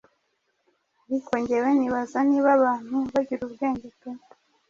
ariko ngewe nibaza niba abantu bagira ubwenge pe